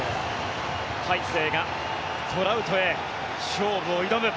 大勢がトラウトへ勝負を挑む。